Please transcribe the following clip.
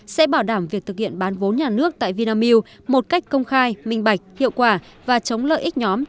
sẽ bảo đảm việc thực hiện bán vốn nhà nước tại vinamilk một cách công khai minh bạch hiệu quả và chống lợi ích nhóm